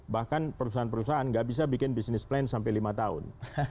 bahkan perusahaan perusahaan nggak bisa bikin bisnis plan sampai lima tahun